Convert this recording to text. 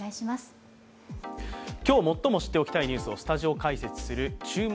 今日、最も知っておきたいニュースをスタジオ解説する「注目！